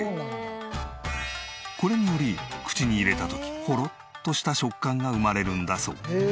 これにより口に入れた時ホロッとした食感が生まれるんだそう。